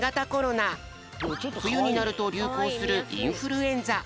ふゆになるとりゅうこうするインフルエンザ。